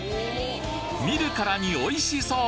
見るからにおいしそう！